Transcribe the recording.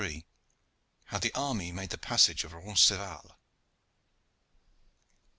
HOW THE ARMY MADE THE PASSAGE OF RONCESVALLES.